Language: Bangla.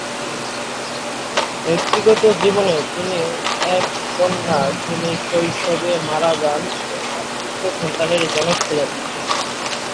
ব্যক্তিগত জীবনে তিনি এক কন্যা যিনি শৈশবে মারা যান ও আট পুত্র সন্তানের জনক ছিলেন।